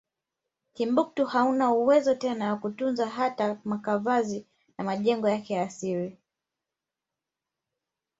Timbuktu hauna uwezo tena wakutunza hata makavazi na majengo yake ya asili